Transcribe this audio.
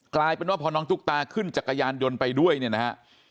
กลายเป็นว่าพอน้องตุ๊กตาขึ้นจักรยานยนต์ไปด้วยเนี่ยนะฮะ